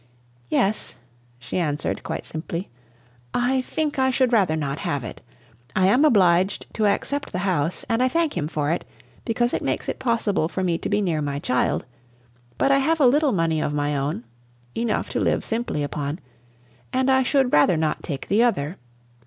"Yes," she answered, quite simply; "I think I should rather not have it. I am obliged to accept the house, and I thank him for it, because it makes it possible for me to be near my child; but I have a little money of my own, enough to live simply upon, and I should rather not take the other.